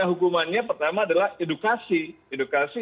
jadi hukumannya pertama adalah edukasi